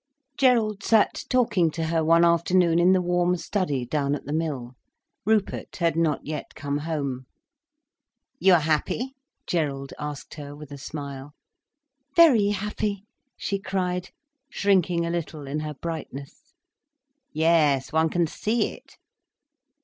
Gerald sat talking to her one afternoon in the warm study down at the Mill. Rupert had not yet come home. "You are happy?" Gerald asked her, with a smile. "Very happy!" she cried, shrinking a little in her brightness. "Yes, one can see it."